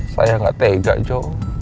saya gak tega jo